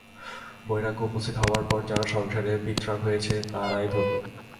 বৈরাগ্য উপস্থিত হবার পর যারা সংসারে বীতরাগ হয়েছে, তারাই ধন্য।